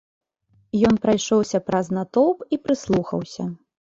Ён прайшоўся праз натоўп і прыслухаўся.